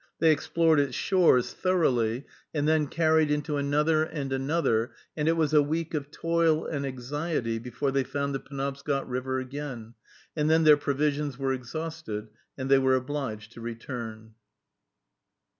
They explored its shores thoroughly, and then carried into another, and another, and it was a week of toil and anxiety before they found the Penobscot River again, and then their provisions were exhausted, and they were obliged to return.